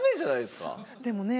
でもね。